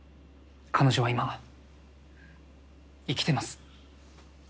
彼女は今生きてます。